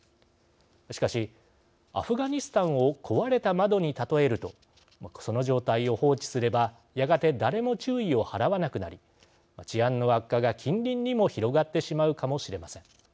しかし、アフガニスタンを壊れた窓に例えるとその状態を放置すればやがて誰も注意を払わなくなり治安の悪化が近隣にも広がってしまうかもしれません。